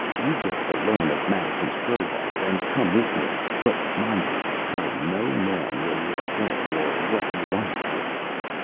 You get the loan of Madison’s crowbar, and come with me; but mind you tell no man where you are going, or what you want it for.